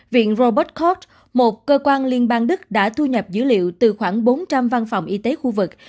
viện robert card một cơ quan liên bang đức đã thu nhập dữ liệu từ khoảng bốn trăm linh văn phòng y tế khu vực